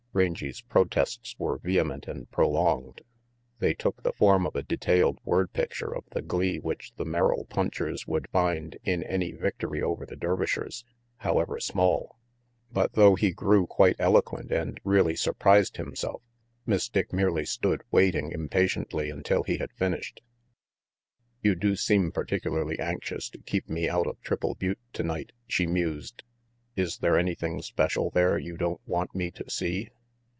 Rangy 's protests were vehement and prolonged. They took the form of a detailed word picture of the glee which the Merrill punchers would find in any victory over the Dervishers, however small; but though he grew quite eloquent and really sur prised himself, Miss Dick merely stood waiting impatiently until he had finished. "You do seem particularly anxious to keep me out of Triple Butte tonight," she mused. "Is there anything special there you don't want me to see?"